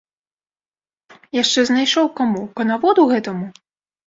Яшчэ знайшоў каму, канаводу гэтаму?!